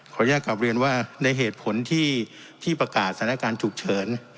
อนุญาตกลับเรียนว่าในเหตุผลที่ประกาศสถานการณ์ฉุกเฉิน